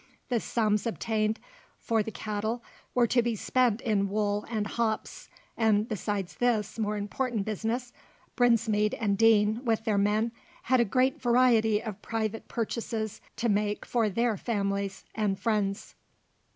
The sums obtained for the cattle were to be spent in wool and hops; and besides this more important business, Brinsmead and Deane, with their men, had a great variety of private purchases to make for their families and friends.